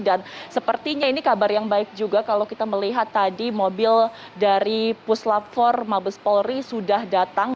dan sepertinya ini kabar yang baik juga kalau kita melihat tadi mobil dari puslap empat mabes polri sudah datang